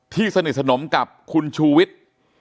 สนิทสนมกับคุณชูวิทย์